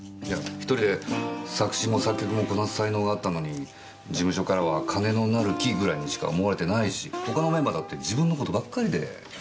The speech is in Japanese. いや１人で作詞も作曲もこなす才能があったのに事務所からは金のなる木ぐらいにしか思われてないし他のメンバーだって自分の事ばっかりで。